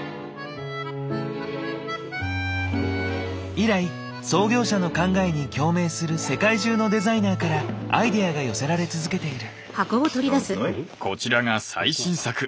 以来創業者の考えに共鳴する世界中のデザイナーからアイデアが寄せられ続けている。